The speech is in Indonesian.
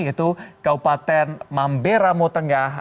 yaitu kabupaten mambera motengah